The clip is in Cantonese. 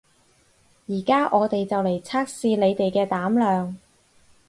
而家我哋就嚟測試你哋嘅膽量